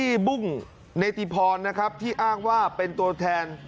บุ้งเนติพรนะครับที่อ้างว่าเป็นตัวแทน